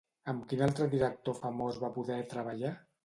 Amb quin altre director famós va poder treballar?